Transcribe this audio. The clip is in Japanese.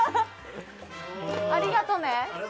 ありがとね。